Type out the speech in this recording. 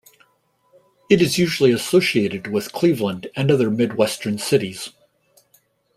It is usually associated with Cleveland and other Midwestern cities.